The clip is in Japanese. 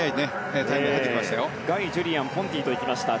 ガイ、ジュリアンポンティといきました。